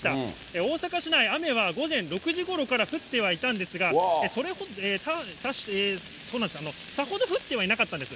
大阪市内、雨は午前６時ごろから降ってはいたんですが、さほど降ってはいなかったんです。